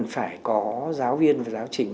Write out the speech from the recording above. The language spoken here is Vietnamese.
phải có giáo viên và giáo trình